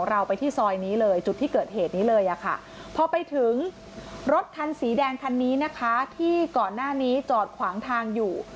รถคันสีแดงคันนี้นะคะที่ก่อนหน้านี้จอดขวางทางอยู่